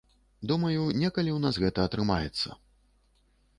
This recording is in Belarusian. Думаю, некалі ў нас гэта атрымаецца.